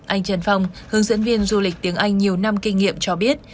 anh trần phong hướng dẫn viên du lịch tiếng anh nhiều năm kinh nghiệm cho biết